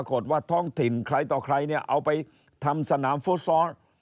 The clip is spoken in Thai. ประโยชน์ว่าท้องถิ่นใครเอาไปทำสนามฟลูตซอน